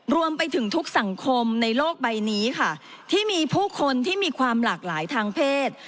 รวมไปถึงทุกสังคมในโลกใบนี้ค่ะที่มีผู้คนที่มีความหลากหลายทางเพศ